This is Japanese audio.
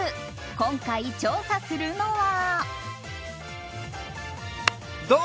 今回調査するのは。